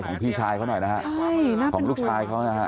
ของพี่ชายเขาหน่อยนะฮะของลูกชายเขานะฮะ